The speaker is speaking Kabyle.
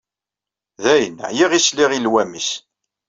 Dayen, ɛyiɣ i sliɣ i llwam-is.